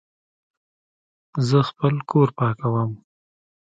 زه خپل کور پاکوم